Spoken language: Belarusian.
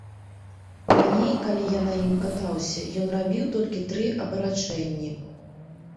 Раней, калі я на ім катаўся, ён рабіў толькі тры абарачэнні.